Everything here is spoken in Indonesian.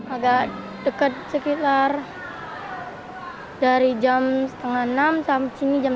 agak dekat sekitar dari jam setengah enam sampai sini jam dua